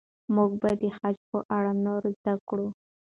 موږ به د خج په اړه نور زده کړو.